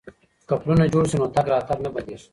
که پلونه جوړ شي نو تګ راتګ نه بندیږي.